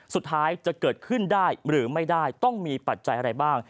สุดท้ายจะเกิดขึ้นได้หรือไม่ได้ต้องมีปัจจัยอะไรบ้าง